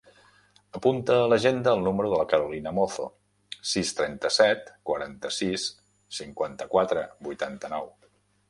Apunta a l'agenda el número de la Carolina Mozo: sis, trenta-set, quaranta-sis, cinquanta-quatre, vuitanta-nou.